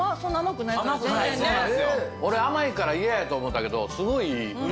俺甘いから嫌やと思うたけどすごいいい。